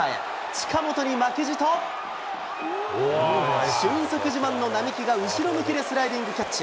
近本に負けじと、俊足自慢の並木が後ろ向きでスライディングキャッチ。